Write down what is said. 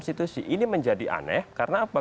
institusi ini menjadi aneh karena apa